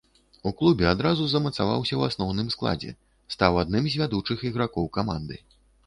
У клубе адразу замацаваўся ў асноўным складзе, стаў адным з вядучых ігракоў каманды.